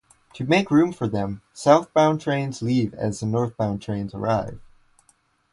To make room for them, southbound trains leave as northbound trains arrive.